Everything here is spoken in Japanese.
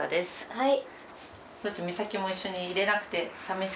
はい。